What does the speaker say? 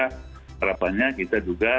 harapannya kita juga